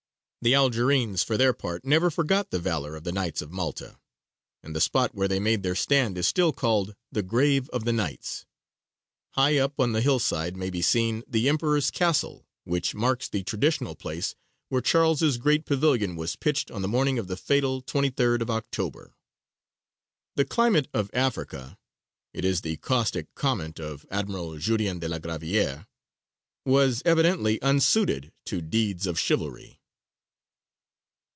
The Algerines, for their part, never forgot the valour of the Knights of Malta, and the spot where they made their stand is still called "The Grave of the Knights." High up on the hillside may be seen "the Emperor's Castle," which marks the traditional place where Charles' great pavilion was pitched on the morning of the fatal 23rd of October. "The climate of Africa" it is the caustic comment of Admiral Jurien de la Gravière "was evidently unsuited to deeds of chivalry."